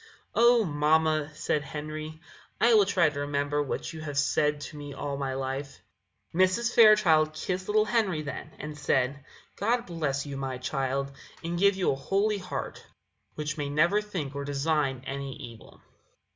"Oh, mamma," said Henry, "I will try to remember what you have said to me all my life." Mrs. Fairchild kissed little Henry then, and said: "God bless you, my child, and give you a holy heart, which may never think or design any evil."